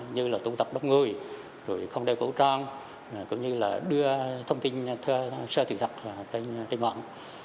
như là tôn tập đốc người không đeo cấu trang cũng như là đưa thông tin xe tử dọc đến địa bàn